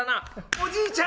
「おじいちゃん